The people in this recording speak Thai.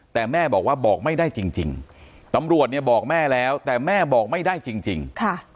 แต่แม่บอกว่าบอกไม่ได้จริงตำรวจเนี่ยบอกแม่แล้วแต่แม่บอกไม่ได้จริง